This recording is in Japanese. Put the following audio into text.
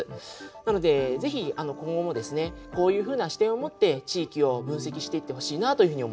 なのでぜひ今後もですねこういうふうな視点を持って地域を分析していってほしいなというふうに思います。